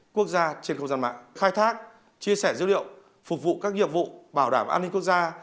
quốc gia trên không gian mạng khai thác chia sẻ dữ liệu phục vụ các nhiệm vụ bảo đảm an ninh quốc gia